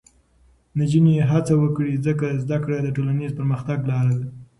نجونې هڅه وکړي، ځکه زده کړه د ټولنیز پرمختګ لاره ده.